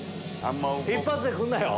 一発でくるなよ。